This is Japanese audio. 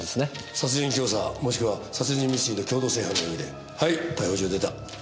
殺人教唆もしくは殺人未遂の共同正犯の容疑ではい逮捕状出た。